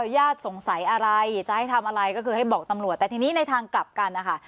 ญาติสงสัยอะไรจะให้ทำอะไรก็คือให้บอกตำรวจแต่ทีนี้ในทางกลับกันนะคะ